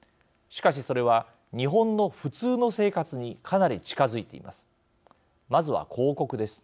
しかし、それは日本の普通の生活にかなり近づいています。